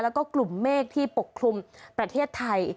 แล้วก็กลุ่มเมฆที่ปกคลุมประเทศไทย